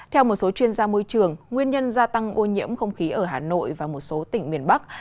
theo một số chuyên gia môi trường nguyên nhân gia tăng ô nhiễm không khí ở hà nội và một số tỉnh miền bắc